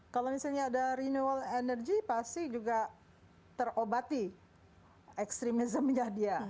kalau misalnya ada renewal energy pasti juga terobati ekstremismnya dia